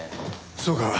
そうか。